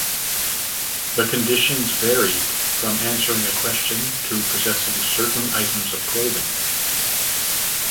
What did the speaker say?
The conditions varied, from answering a question to possessing certain items of clothing.